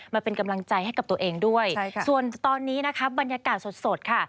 มาเป็นกำลังใจให้กับตัวเองด้วยส่วนตอนนี้นะคะบรรยากาศสดค่ะ